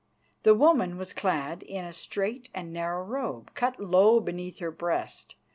The woman was clad in a straight and narrow robe, cut low beneath her breast.